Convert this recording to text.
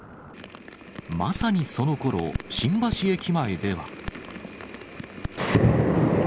まさにそのころ、新橋駅前では。